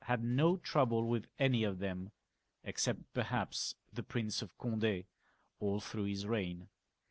had no trouble with any of them, except perhaps the Prince of Cond^ all through his reign.